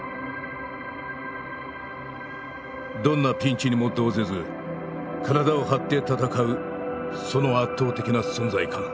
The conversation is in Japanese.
どんなピンチにも動ぜず体を張って戦うその圧倒的な存在感。